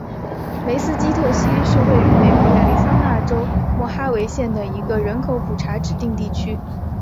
梅斯基特溪是位于美国亚利桑那州莫哈维县的一个人口普查指定地区。